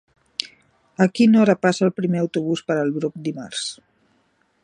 A quina hora passa el primer autobús per el Bruc dimarts?